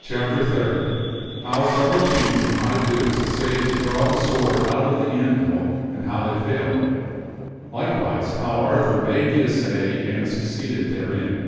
Chapter Third. How Several Kings and High Dukes Assayed to Draw the Sword Out of the Anvil and How They Failed. Likewise How Arthur Made the Assay and Succeeded Therein.